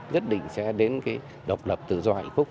nhất định sẽ đến cái độc lập tự do hạnh phúc